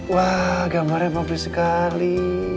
wah gambarnya pampul sekali